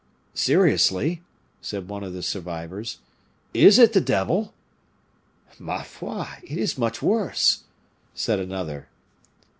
"Seriously," said one of the survivors, "is it the devil?" "Ma foi! it is much worse," said another.